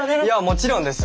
もちろんです。